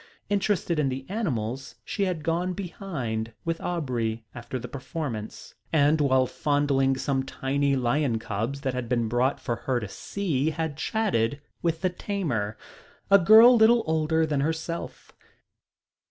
Interested in the animals, she had gone behind with Aubrey after the performance, and while fondling some tiny lion cubs that had been brought for her to see had chatted with the tamer, a girl little older than herself.